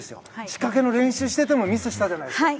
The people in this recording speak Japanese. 仕掛けの練習をしててもミスしたじゃないですか。